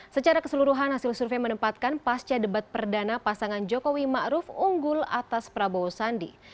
secara keseluruhan hasil survei menempatkan pasca debat perdana pasangan jokowi ⁇ maruf ⁇ unggul atas prabowo sandi